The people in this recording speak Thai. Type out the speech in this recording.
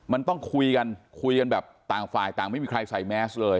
มันต้องคุยกันคุยกันแบบต่างฝ่ายต่างไม่มีใครใส่แมสเลย